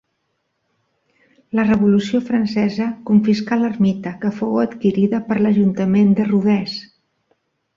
La Revolució francesa confiscà l'ermita, que fou adquirida per l'ajuntament de Rodès.